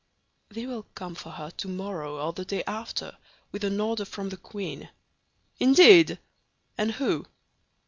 "They will come for her tomorrow or the day after, with an order from the queen." "Indeed! And who?"